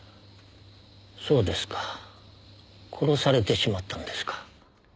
そうですか殺されてしまったんですか。